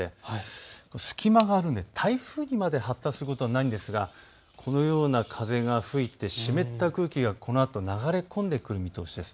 隙間があるので台風にまで発達することはないんですがこのような風が吹いて湿った空気がこのあと流れ込んでくる見通しです。